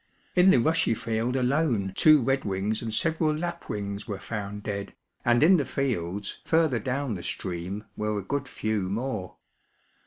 In the rushy field alone two redwings imd several lapwings were found dead, and in the fields further down the stream were a good few more.